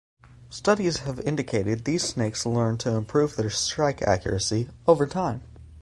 Studies have indicated these snakes learn to improve their strike accuracy over time.